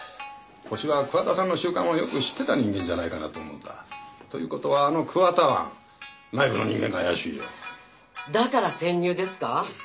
ホシは桑田さんの習慣をよく知ってた人間じゃないかなと思うんだということはあの桑田庵内部の人間が怪しいよだから潜入ですか？